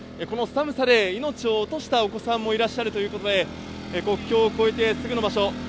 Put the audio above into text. この寒さで命を落としたお子さんもいらっしゃるということで、国境を越えてすぐの場所。